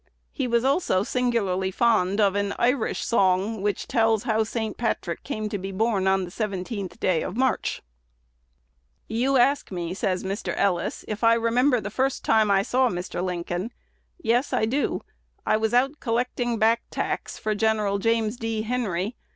He was also singularly fond of an Irish song, "which tells how St. Patrick came to be born on the 17th day of March." "You ask me," says Mr. Ellis, "if I remember the first time I saw Mr. Lincoln. Yes, I do.... I was out collecting back tax for Gen. James D. Henry.